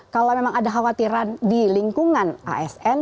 kalau memang ada khawatiran di lingkungan asn